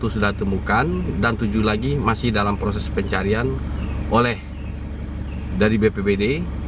satu sudah temukan dan tujuh lagi masih dalam proses pencarian oleh dari bpbd